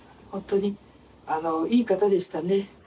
本当に、いい方でしたね。